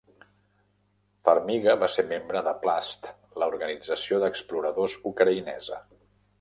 Farmiga va ser membre de Plast, la organització d'exploradors ucraïnesa.